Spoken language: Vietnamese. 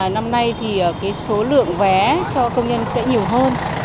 năm nay thì số lượng vé cho công nhân sẽ nhiều hơn